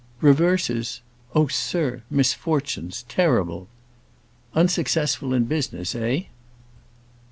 "Reverses? Oh, sir, misfortunes—terrible." "Unsuccessful in business, eh?"